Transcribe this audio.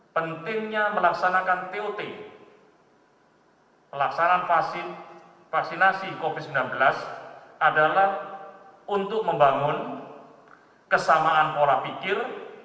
pentingnya melaksanakan tot pelaksanaan vaksinasi covid sembilan belas adalah untuk membangun kesamaan pola pikir